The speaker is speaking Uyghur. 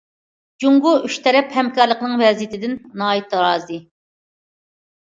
جۇڭگو ئۈچ تەرەپ ھەمكارلىقىنىڭ ۋەزىيىتىدىن ناھايىتى رازى.